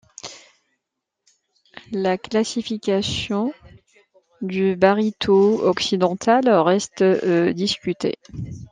La classification du barito occidental reste discutée.